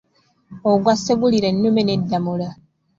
Ogwa Ssegulirennume ne Ddamula.